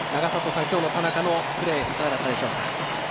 永里さん、今日の田中のプレーいかがだったでしょうか。